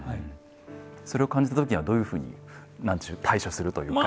それを感じた時はどういうふうに何でしょう対処するというか。